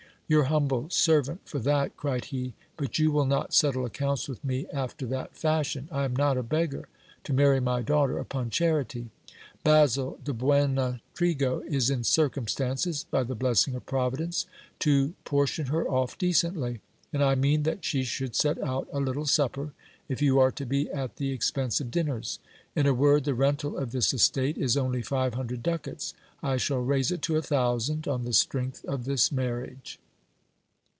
Your humble servant for that, cried he ; but you will not settle accounts with me after that fashion ; I am not a beggar, to marry my daughter upon charity. Basil de Buenotrigo is in circumstances, by the blessing of Providence, to portion her off decently ; and I mean that she should set out a little supper, if you are to be at the ex pense of dinners. . In a word, the rental of this estate is only five hundred ducats : I shall raise it to a thousand on the strength of this marriage.